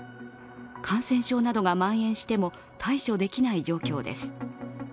感染症などがまん延しても対処できない状況です。